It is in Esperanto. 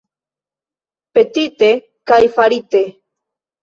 Petite kaj farite!